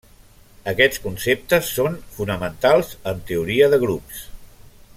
Aquests conceptes són fonamentals en teoria de grups.